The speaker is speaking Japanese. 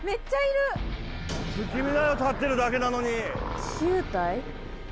不気味だよ立ってるだけなのに９体？